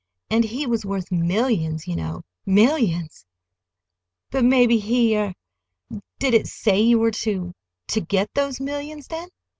And he was worth millions, you know, millions!" "But maybe he—er—Did it say you were to—to get those millions then?"